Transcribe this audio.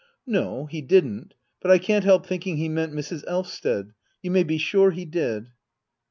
No, he didn't; but I can't help thinking he meant Mrs. Elvsted. You may be sure he did.